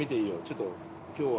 ちょっと今日は。